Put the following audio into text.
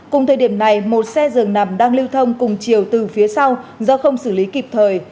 cùng thời điểm này một xe dường nằm đang lưu thông cùng chiều từ phía sau do không xử lý kịp thời